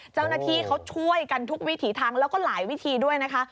เจ้าหน้าที่เขาช่วยกันทุกวิถีทางแล้วก็หลายวิธีด้วยนะคะ